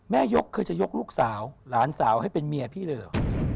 ยกเคยจะยกลูกสาวหลานสาวให้เป็นเมียพี่เลยเหรอ